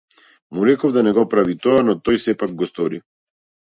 Му реков да не го прави тоа, но тој сепак го стори.